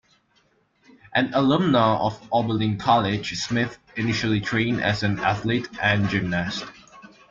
An alumna of Oberlin College, Smith initially trained as an athlete and gymnast.